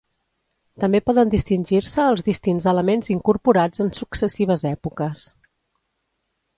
També poden distingir-se els distints elements incorporats en successives èpoques.